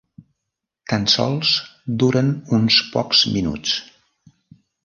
Tan sols duren uns pocs minuts.